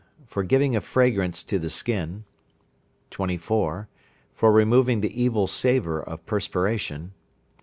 For giving a fragrance to the skin. 24. For removing the evil savour of perspiration.